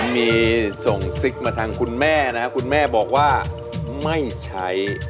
มีส่งซิกมาทางคุณแม่นะครับคุณแม่บอกว่าไม่ใช้